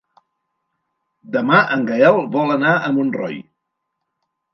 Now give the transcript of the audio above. Demà en Gaël vol anar a Montroi.